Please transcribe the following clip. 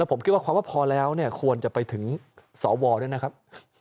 ผมคิดว่าความว่าพอแล้วเนี่ยควรจะไปถึงสวด้วยนะครับ